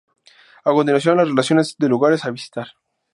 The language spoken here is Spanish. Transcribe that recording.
A continuación, la relación de lugares a visitar.